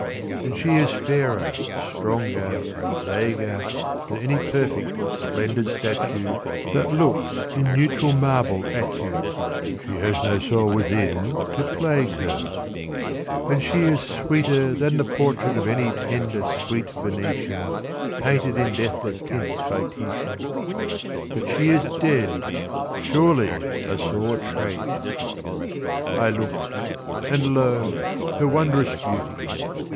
And she is fairer, stronger, vaguer. Than any perfect, splendid statue That looks in neutral marble at you : She has no soul within to plague her. 86 BETROTHED. And she is sweeter than the portrait Of any tender, sweet Venetian, Painted in deathless tints by Titian ; But she is dead — surely a sore trait ! I looked ; and lo, her wondrous beauty